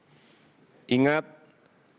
ini adalah masalah yang kita harus lakukan